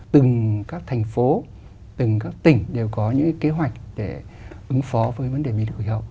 từng các thành phố từng các tỉnh đều có những kế hoạch để ứng phó với vấn đề biến đổi hậu